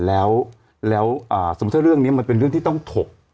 แล้วสมมุติถ้าเรื่องนี้มันเป็นเรื่องที่ต้องถก